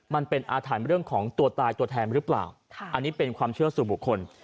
มันเป็นอาถรรพ์เรื่องของตัวตายตัวแทนหรือเปล่าอันนี้เป็นความเชื่อสู่บุคคล